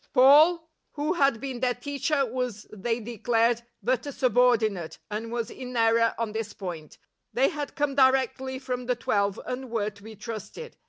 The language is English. Paul, who had been their teacher, was, they declared, but a subordinate, and was in error on this point; they had come directly from the Twelve, and were to be trusted.